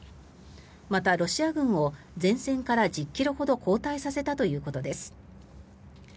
また、ロシア軍を前線から１０ｋｍほど後退させたということです。